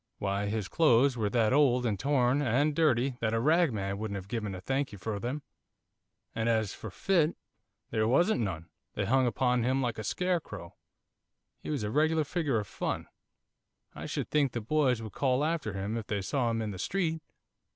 'Why, his clothes were that old, and torn, and dirty, that a ragman wouldn't have given a thank you for them, and as for fit, there wasn't none, they hung upon him like a scarecrow he was a regular figure of fun; I should think the boys would call after him if they saw him in the street.